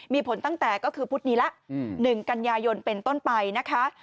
มีผลตั้งแต่ก็คือพุธนี้ละ๑กันยายนเป็นต้นไปนะคะ